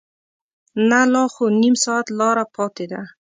نه لا خو نیم ساعت لاره پاتې ده.